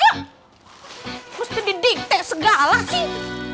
harus didikte segala sih